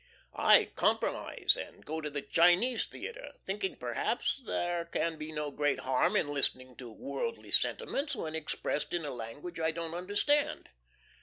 I "compromise," and go to the Chinese theatre, thinking perhaps there can be no great harm in listening to worldly sentiments when expressed in a language I don't understand.